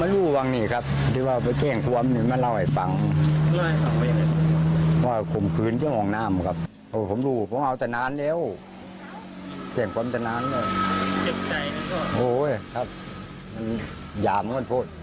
เร็วแจ้งความดำเนินเกินไปโอ้โหเห้ยครับหยามมันพูด